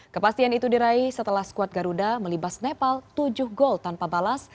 kepastian itu diraih setelah skuad garuda melibas nepal tujuh gol tanpa balas